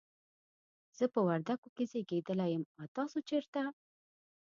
زه په وردګو کې زیږیدلی یم، او تاسو چیرته؟